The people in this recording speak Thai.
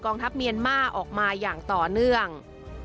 ทัพเมียนมาออกมาอย่างต่อเนื่อง